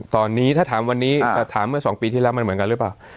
ตอนนี้ถ้าถามวันนี้จะถามเมื่อ๒ปีที่แล้วมันเหมือนกันหรือเปล่า